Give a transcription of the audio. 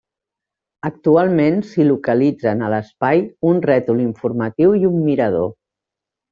Actualment s'hi localitzen a l'espai un rètol informatiu i un mirador.